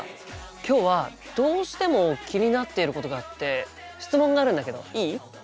今日はどうしても気になっていることがあって質問があるんだけどいい？